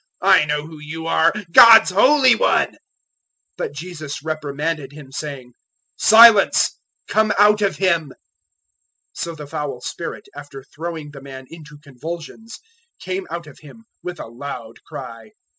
I know who you are God's Holy One." 001:025 But Jesus reprimanded him, saying, "Silence! come out of him." 001:026 So the foul spirit, after throwing the man into convulsions, came out of him with a loud cry.